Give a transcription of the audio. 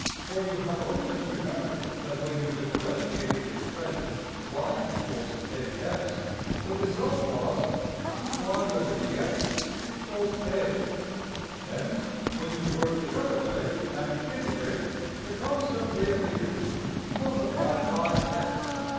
For you have only to remember that when you differentiated the expression $y = ax$, the result was $\dfrac{dy}{dx} = a$. Hence, when you work the other way and integrate, the constant reappears multiplied by~$x$.